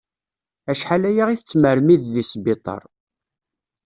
Acḥal aya i tettmermid di sbiṭar.